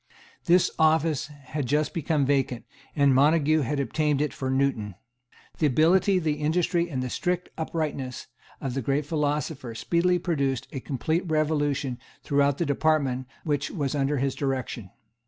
This office had just become vacant, and Montague had obtained it for Newton. The ability, the industry and the strict uprightness of the great philosopher speedily produced a complete revolution throughout the department which was under his direction.